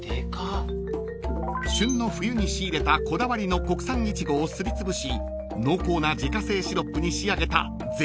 ［旬の冬に仕入れたこだわりの国産いちごをすりつぶし濃厚な自家製シロップに仕上げたぜいたくな一品］